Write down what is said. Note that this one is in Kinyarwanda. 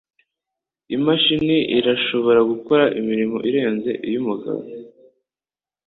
Imashini irashobora gukora imirimo irenze iy'umugabo.